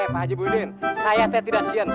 pak haji muhyiddin saya tidak sian